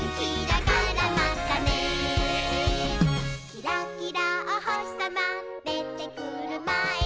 「キラキラおほしさまでてくるまえに」